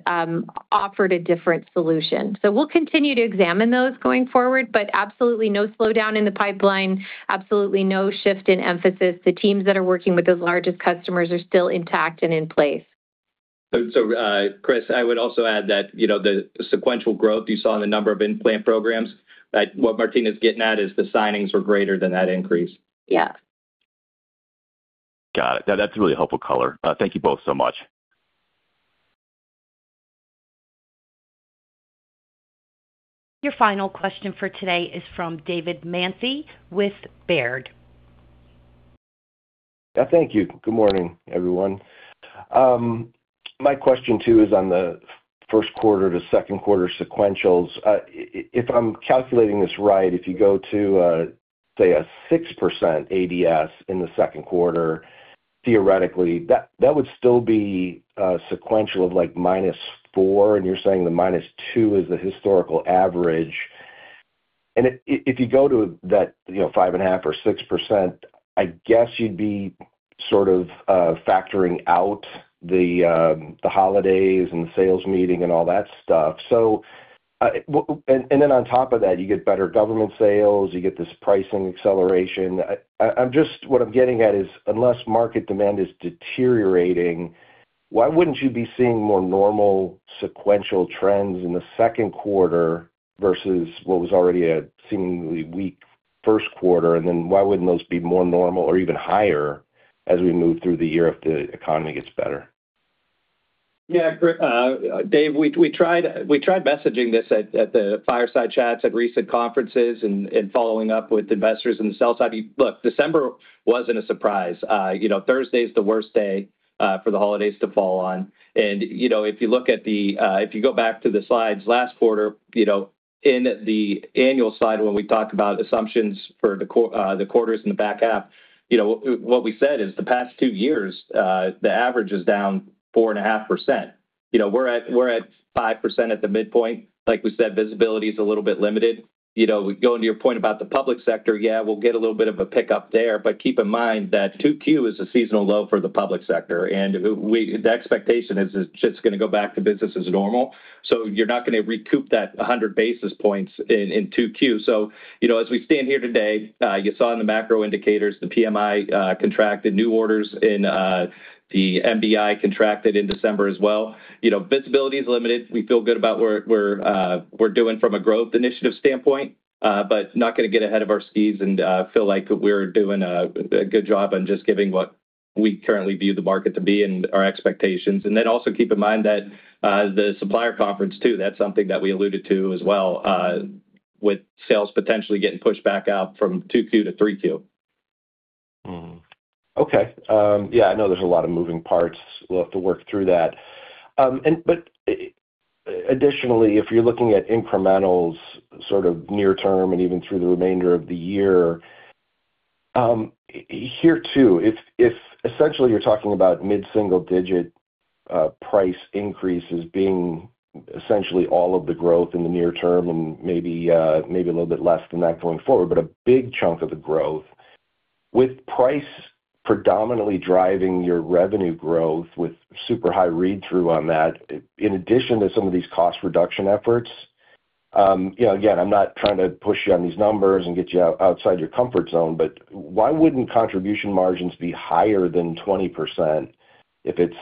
offered a different solution. So we'll continue to examine those going forward, but absolutely no slowdown in the pipeline. Absolutely no shift in emphasis. The teams that are working with those largest customers are still intact and in place. So, Chris, I would also add that the sequential growth you saw in the number of In-Plant programs, what Martina's getting at is the signings were greater than that increase. Yeah. Got it. That's a really helpful color. Thank you both so much. Your final question for today is from David Manthey with Baird. Thank you. Good morning, everyone. My question too is on the first quarter to second quarter sequentials. If I'm calculating this right, if you go to, say, a 6% ADS in the second quarter, theoretically, that would still be a sequential of like -4%. And you're saying the -2% is the historical average. And if you go to that 5.5% or 6%, I guess you'd be sort of factoring out the holidays and the sales meeting and all that stuff. And then on top of that, you get better government sales. You get this pricing acceleration. What I'm getting at is unless market demand is deteriorating, why wouldn't you be seeing more normal sequential trends in the second quarter versus what was already a seemingly weak first quarter? And then why wouldn't those be more normal or even higher as we move through the year if the economy gets better? Yeah. Dave, we tried messaging this at the fireside chats at recent conferences and following up with investors and the sell side. Look, December wasn't a surprise. Thursday is the worst day for the holidays to fall on. And if you go back to the slides last quarter, in the annual slide when we talk about assumptions for the quarters in the back half, what we said is the past two years, the average is down 4.5%. We're at 5% at the midpoint. Like we said, visibility is a little bit limited. Going to your point about the public sector, yeah, we'll get a little bit of a pickup there. But keep in mind that 2Q is a seasonal low for the public sector. And the expectation is it's just going to go back to business as normal. So you're not going to recoup that 100 basis points in 2Q. So as we stand here today, you saw in the macro indicators, the PMI contracted, new orders in the MBI contracted in December as well. Visibility is limited. We feel good about what we're doing from a growth initiative standpoint, but not going to get ahead of our skis and feel like we're doing a good job on just giving what we currently view the market to be and our expectations. And then also keep in mind that the supplier conference too, that's something that we alluded to as well with sales potentially getting pushed back out from 2Q to 3Q. Okay. Yeah. I know there's a lot of moving parts. We'll have to work through that. But additionally, if you're looking at incrementals sort of near term and even through the remainder of the year, here too, if essentially you're talking about mid-single digit price increases being essentially all of the growth in the near term and maybe a little bit less than that going forward, but a big chunk of the growth with price predominantly driving your revenue growth with super high read-through on that, in addition to some of these cost reduction efforts. Again, I'm not trying to push you on these numbers and get you outside your comfort zone, but why wouldn't contribution margins be higher than 20% if it's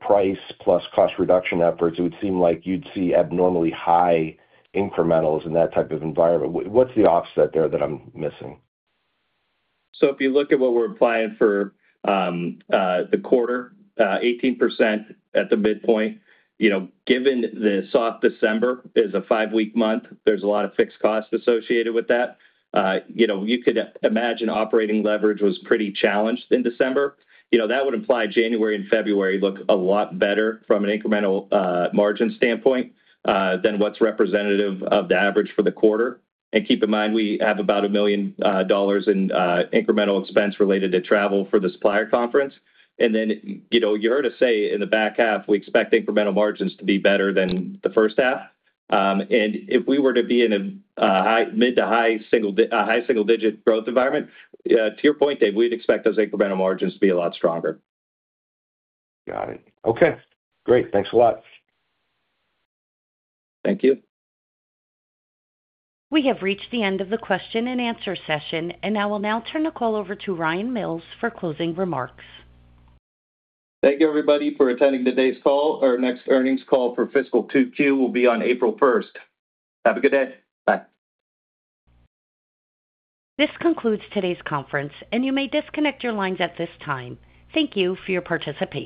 price plus cost reduction efforts? It would seem like you'd see abnormally high incrementals in that type of environment. What's the offset there that I'm missing? So if you look at what we're applying for the quarter, 18% at the midpoint, given the soft December is a five-week month, there's a lot of fixed cost associated with that. You could imagine operating leverage was pretty challenged in December. That would imply January and February look a lot better from an incremental margin standpoint than what's representative of the average for the quarter. And keep in mind, we have about $1 million in incremental expense related to travel for the supplier conference. And then you're to say in the back half, we expect incremental margins to be better than the first half. And if we were to be in a mid to high single-digit growth environment, to your point, Dave, we'd expect those incremental margins to be a lot stronger. Got it. Okay. Great. Thanks a lot. Thank you. We have reached the end of the question-and-answer session, and I will now turn the call over to Ryan Mills for closing remarks. Thank you, everybody, for attending today's call. Our next earnings call for fiscal 2Q will be on April 1st. Have a good day. Bye. This concludes today's conference, and you may disconnect your lines at this time. Thank you for your participation.